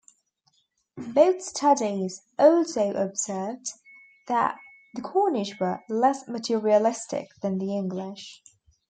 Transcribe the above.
Both studies also observed that the Cornish were less materialistic than the English.